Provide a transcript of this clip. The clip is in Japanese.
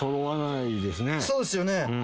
そうですよね。